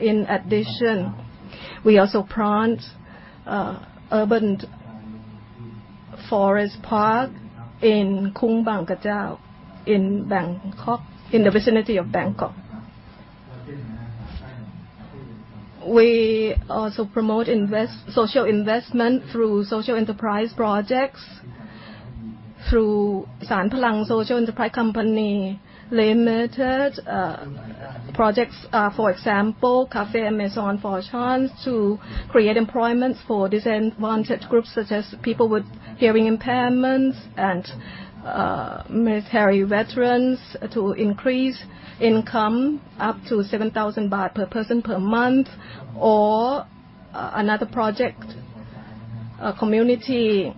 In addition, we also plant Urban Forest Park in Khung Bang Kachao in Bangkok, in the vicinity of Bangkok. We also promote social investment through social enterprise projects through Sarn Palung Social Enterprise Company Limited. Projects, for example, Café Amazon for Chance to create employments for disadvantaged groups, such as people with hearing impairments and military veterans to increase income up to 7,000 Baht per person per month. Another project, a community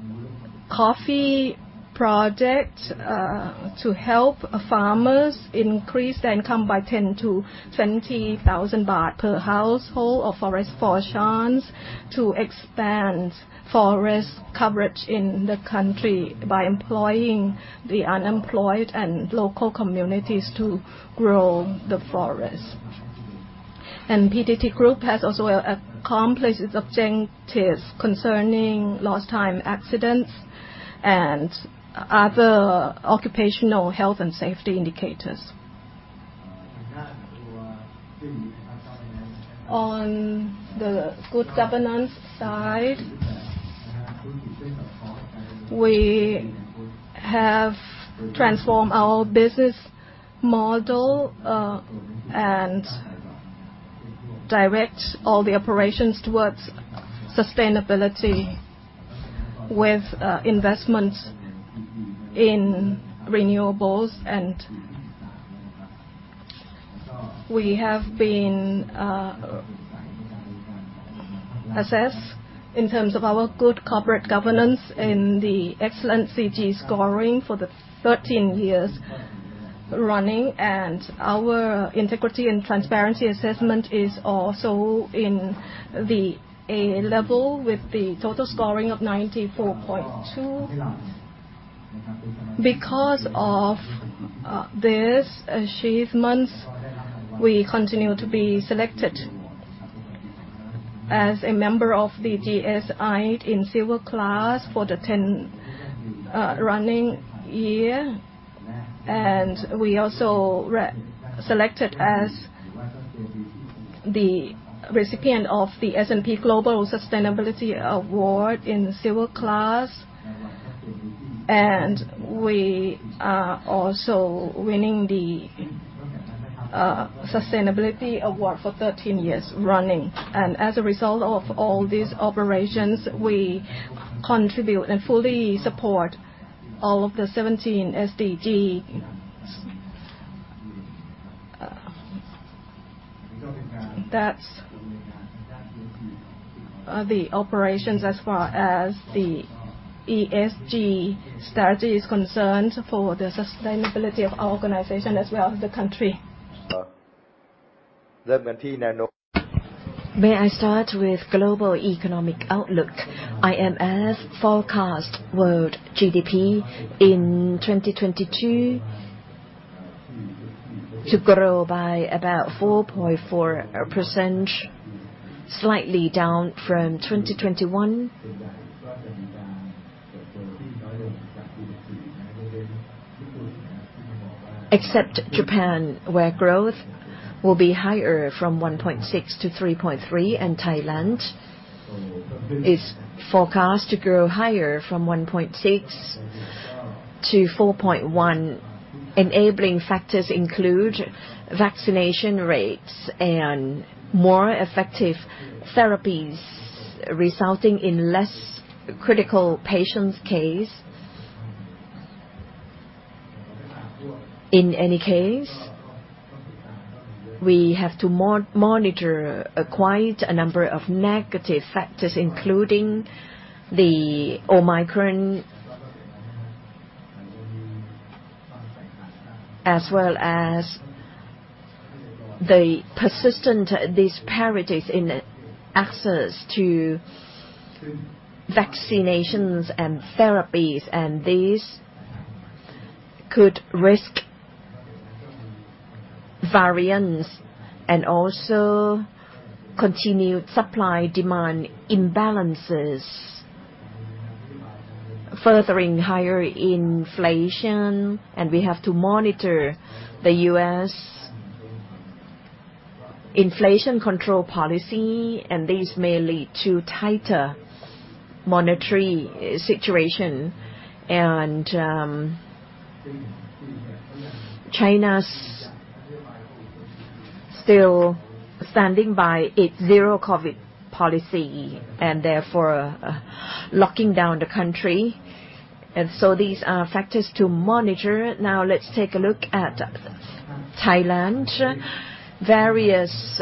coffee project, to help farmers increase their income by 10,000-20,000 Baht per household. Forests for Chance to expand forest coverage in the country by employing the unemployed and local communities to grow the forest. PTT Group has also accomplished its objectives concerning lost time accidents and other occupational health and safety indicators. On the good governance side, we have transformed our business model and direct all the operations towards sustainability with investments in renewables. We have been assessed in terms of our good corporate governance in the excellent CG scoring for the 13 years running. Our integrity and transparency assessment is also in the A level with the total scoring of 94.2. Because of these achievements, we continue to be selected as a member of the DJSI in Silver class for the 10th running year. We also selected as the recipient of the S&P Global Sustainability Award in Silver class. We are also winning the sustainability award for 13 years running. As a result of all these operations, we contribute and fully support all of the 17 SDGs. That's the operations as far as the ESG strategy is concerned for the sustainability of our organization as well as the country. May I start with global economic outlook? IMF forecast world GDP in 2022 to grow by about 4.4%, slightly down from 2021. Except Japan, where growth will be higher from 1.6% to 3.3%, and Thailand is forecast to grow higher from 1.6% to 4.1%. Enabling factors include vaccination rates and more effective therapies, resulting in less critical patient cases. In any case, we have to monitor quite a number of negative factors, including the Omicron, as well as the persistent disparities in access to vaccinations and therapies. These could risk variants and also continued supply-demand imbalances, furthering higher inflation. We have to monitor the U.S. inflation control policy, and this may lead to tighter monetary situation. China's still standing by its zero COVID policy and therefore locking down the country. These are factors to monitor. Now let's take a look at Thailand. Various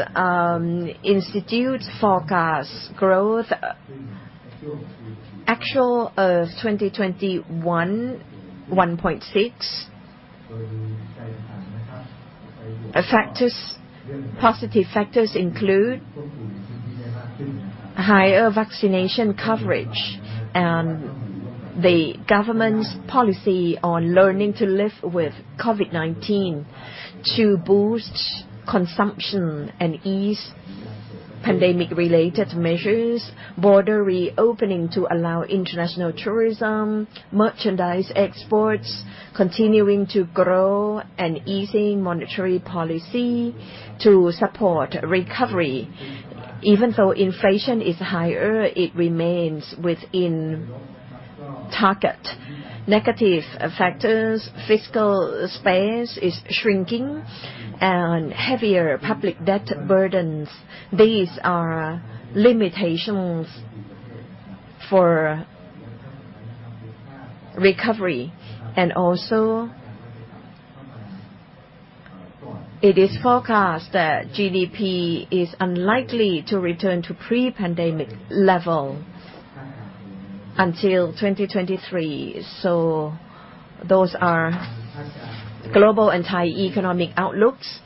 institutes forecast growth. Actual of 2021, 1.6. Factors. Positive factors include higher vaccination coverage and the government's policy on learning to live with COVID-19 to boost consumption and ease pandemic-related measures, border reopening to allow international tourism, merchandise exports continuing to grow and easing monetary policy to support recovery. Even though inflation is higher, it remains within target. Negative factors, fiscal space is shrinking and heavier public debt burdens. These are limitations for recovery. It is forecast that GDP is unlikely to return to pre-pandemic level until 2023. Those are global and Thai economic outlooks.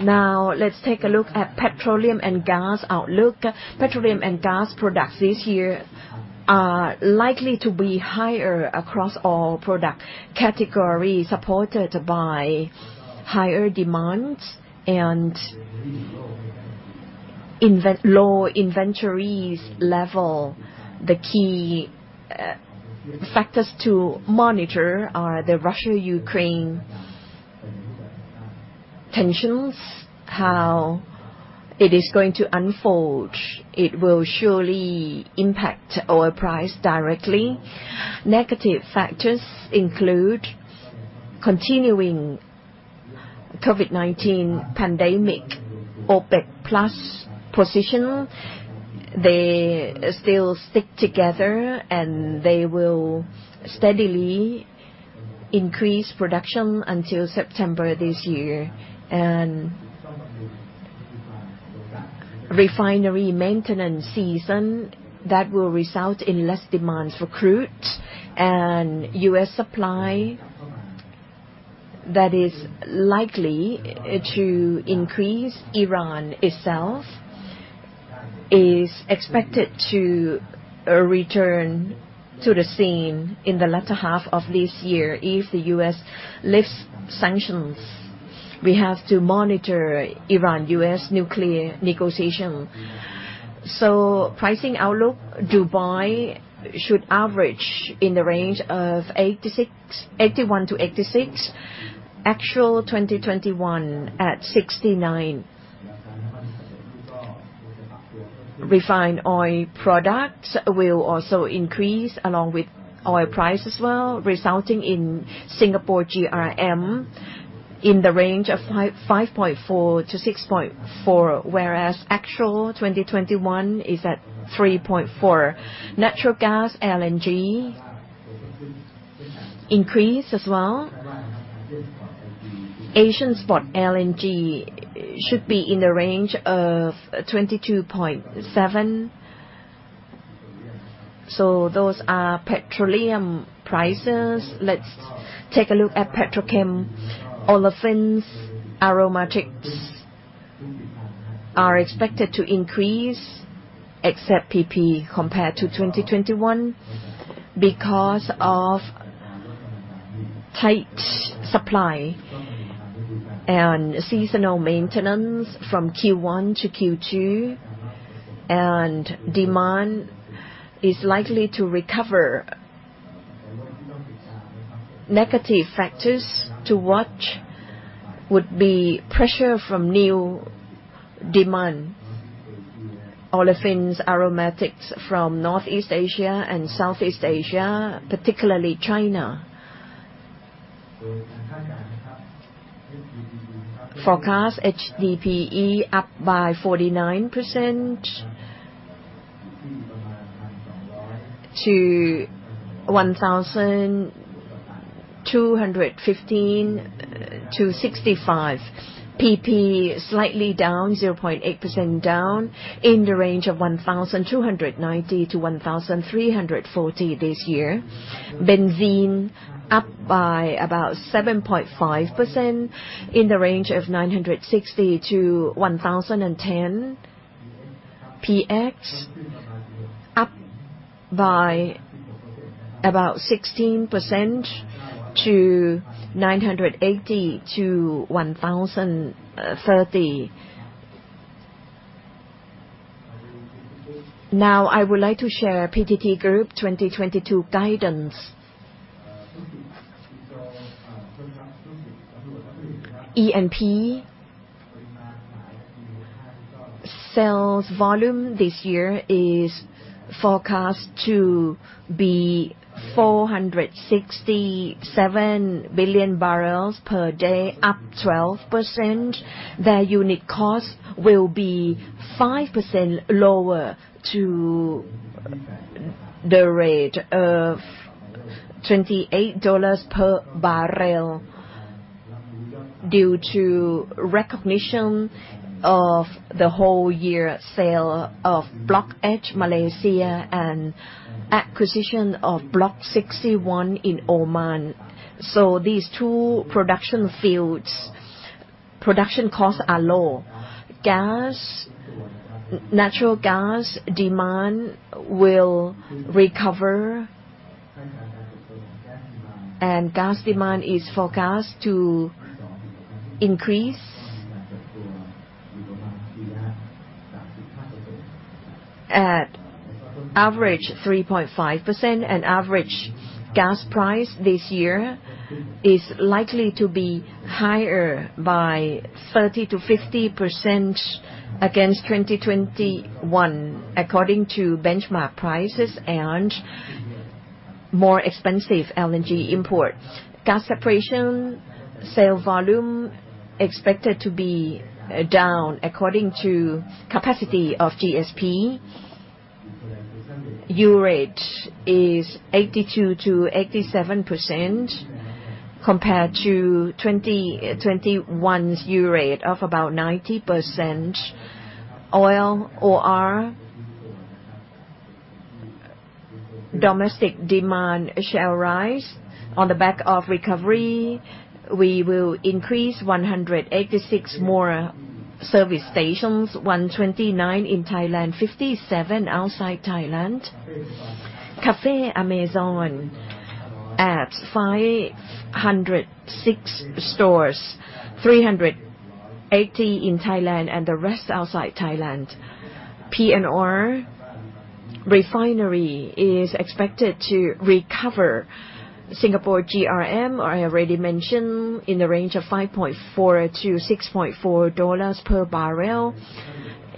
Now let's take a look at petroleum and gas outlook. Petroleum and gas products this year are likely to be higher across all product categories, supported by higher demand and low inventories level. The key factors to monitor are the Russia-Ukraine tensions, how it is going to unfold. It will surely impact oil price directly. Negative factors include continuing COVID-19 pandemic, OPEC+ position. They still stick together, and they will steadily increase production until September this year. Refinery maintenance season, that will result in less demand for crude. U.S. supply, that is likely to increase. Iran itself is expected to return to the scene in the latter half of this year if the U.S. lifts sanctions. We have to monitor Iran-U.S. nuclear negotiation. Pricing outlook, Dubai should average in the range of $81-$86. Actual 2021 at $69. Refined oil products will also increase along with oil price as well, resulting in Singapore GRM in the range of $5.5-$6.4, whereas actual 2021 is at $3.4. Natural gas LNG increase as well. Asian spot LNG should be in the range of $22.7. Those are petroleum prices. Let's take a look at petrochem. Olefins, aromatics are expected to increase, except PP compared to 2021 because of tight supply and seasonal maintenance from Q1 to Q2, and demand is likely to recover. Negative factors to watch would be pressure from new demand for olefins, aromatics from Northeast Asia and Southeast Asia, particularly China. Forecast HDPE up by 49% to $1,215-$1,065. PP slightly down, 0.8% down, in the range of $1,290-$1,340 this year. Benzene up by about 7.5%, in the range of $960-$1,010. PX up by about 16% to $980-$1,030. Now I would like to share PTT Group 2022 guidance. E&P sales volume this year is forecast to be 467 billion barrels per day, up 12%. Their unit cost will be 5% lower to the rate of $28 per barrel due to recognition of the whole year sale of Block H, Malaysia and acquisition of Block 61 in Oman. These two production fields, production costs are low. Gas, natural gas demand will recover. Gas demand is forecast to increase at average 3.5% and average gas price this year is likely to be higher by 30%-50% against 2021 according to benchmark prices and more expensive LNG imports. Gas separation sale volume expected to be down according to capacity of GSP. Yield rate is 82%-87% compared to 2021's yield rate of about 90%. Oil, OR, domestic demand shall rise. On the back of recovery, we will increase 186 more service stations, 129 in Thailand, 57 outside Thailand. Café Amazon adds 506 stores, 380 in Thailand and the rest outside Thailand. P&R refinery is expected to recover. Singapore GRM, I already mentioned, in the range of $5.4-$6.4 per barrel.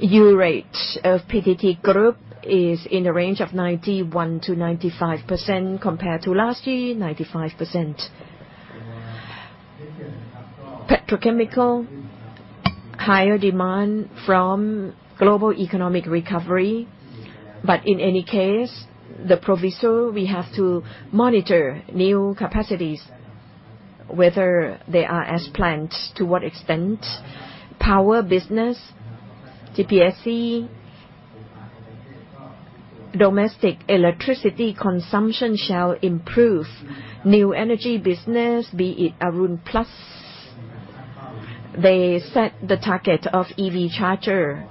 Yield rate of PTT Group is in the range of 91%-95% compared to last year, 95%. Petrochemical, higher demand from global economic recovery. In any case, the proviso, we have to monitor new capacities, whether they are as planned, to what extent. Power business, GPSC, domestic electricity consumption shall improve. New energy business, be it Arun Plus. They set the target of EV charger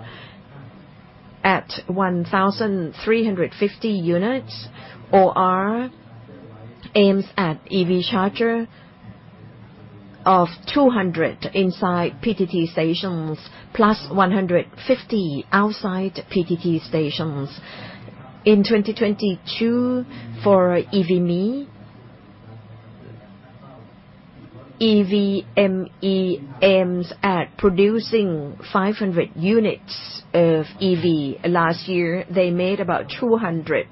at 1,350 units. OR aims at EV charger of 200 inside PTT stations, plus 150 outside PTT stations. In 2022 for EVme aims at producing 500 units of EV. Last year, they made about 200.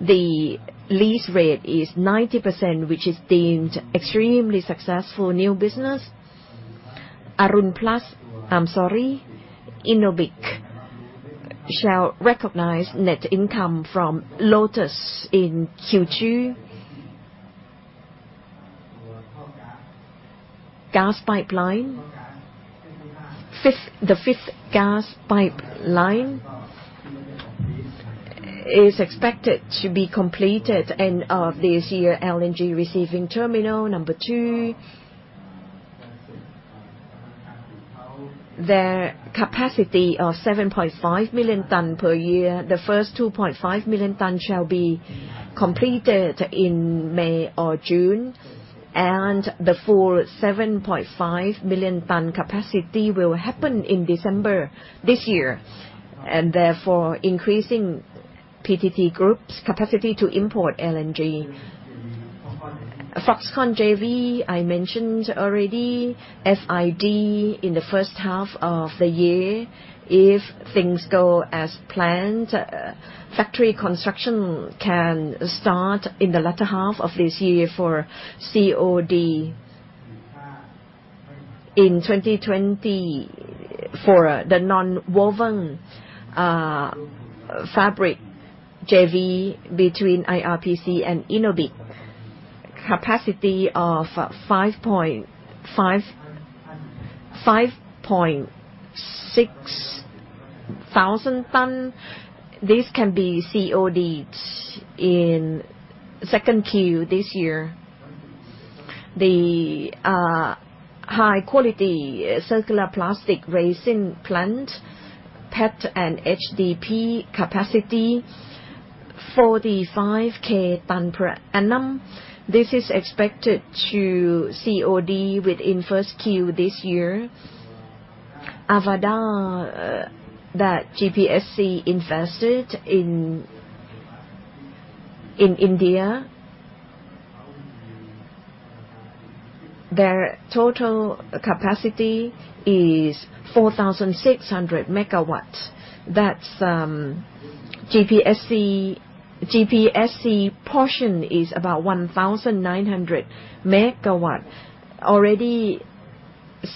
The lease rate is 90%, which is deemed extremely successful new business. Arun Plus, I'm sorry, Innobic shall recognize net income from Lotus in Q2. Gas pipeline. The fifth gas pipeline is expected to be completed end of this year. LNG receiving terminal number two. Their capacity of 7.5 million tons per year. The first 2.5 million tons shall be completed in May or June, and the full 7.5 million tons capacity will happen in December this year. Therefore, increasing PTT Group's capacity to import LNG. Foxconn JV, I mentioned already. FID in the first half of the year. If things go as planned, factory construction can start in the latter half of this year for COD. In 2020, for the nonwoven fabric JV between IRPC and Innobic, capacity of 5.6 thousand tons. This can be COD in 2Q this year. The high quality circular plastic resin plant, PET and HDPE capacity, 45K tons per annum. This is expected to COD within Q1 this year. Avaada that GPSC invested in India. Their total capacity is 4,600 MW. That's GPSC portion is about 1,900 MW. Already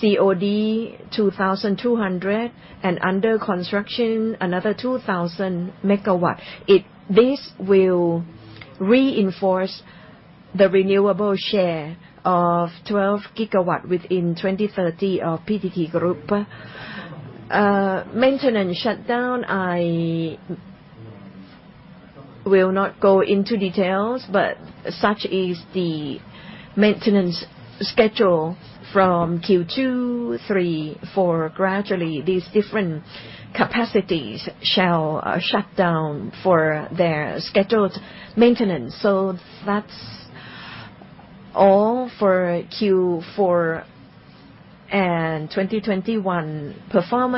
COD 2,200 and under construction another 2,000 MW. This will reinforce the renewable share of 12 GW within 2030 of PTT Group. Maintenance shutdown, I will not go into details, but such is the maintenance schedule from Q2, Q3, Q4. Gradually, these different capacities shall shut down for their scheduled maintenance. That's all for Q4 and 2021 performance.